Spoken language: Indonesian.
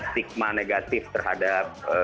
stigma negatif terhadap